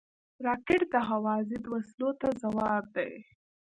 راکټ د هوا ضد وسلو ته ځواب دی